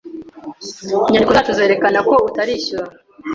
Inyandiko zacu zerekana ko utarishyura.